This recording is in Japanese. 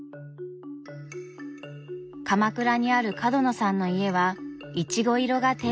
鎌倉にある角野さんの家はいちご色がテーマカラーです。